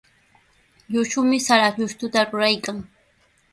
Llushumi sara llushtuta ruraykan.